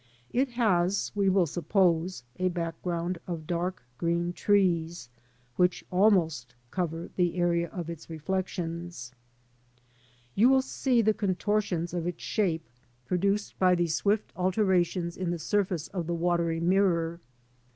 It has, we will suppose, a background of dark green trees, which almost cover the area of its reflections. You will see the contortions of its shape produced by the swift altera 77 78 LANDSCAPE PAINTING IN OIL COLOUR. tions in the surface of the watery mirror.